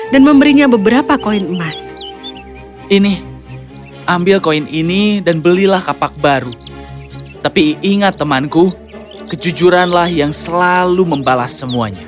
dan memberinya kemampuan untuk mencari kapak emas